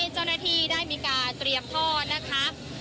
เจ้าหน้าที่ได้มีการเตรียมท่อนะคะ